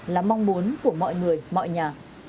là mong muốn của mọi người mọi nhà